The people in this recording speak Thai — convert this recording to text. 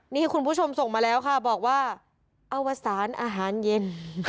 นี่คุณผู้ชมส่งมาแล้วค่ะบอกว่าอวสารอาหารเย็น